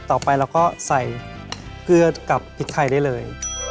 ต่อไปเราก็ใส่เกลือดกับพริกไทยได้เลย